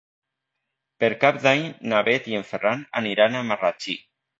Per Cap d'Any na Bet i en Ferran aniran a Marratxí.